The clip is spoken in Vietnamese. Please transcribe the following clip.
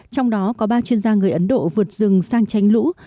trong đó có ba chuyên gia người ấn độ vượt rừng sang tránh lũ